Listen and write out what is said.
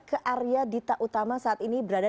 ke area dita utama saat ini berada